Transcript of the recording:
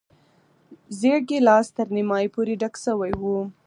زېړ ګیلاس تر نیمايي پورې ډک شوی و.